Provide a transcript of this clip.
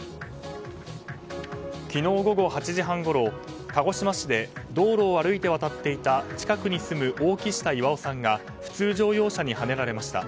昨日午後８時半ごろ鹿児島市で道路を歩いて渡っていた近くに住む大木下巌さんが普通乗用車にはねられました。